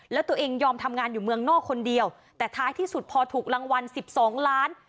แล้วตัวเองยอมทำงานอยู่เมืองนอกคนเดียวแต่ท้ายที่สุดพอถูกรางวัล๑๒ล้าน